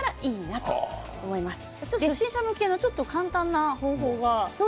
初心者向けの簡単な方法が。